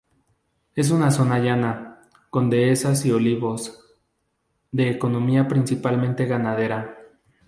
Es una zona llana, con dehesas y olivos, de economía principalmente ganadera.